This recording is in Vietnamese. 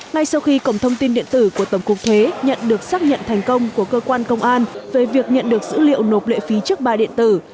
ngay sau khi cổng thông tin điện tử của tổng cục thuế nhận được xác nhận thành công của cơ quan công an về việc nhận được dữ liệu nộp lệ phí trước bạ điện tử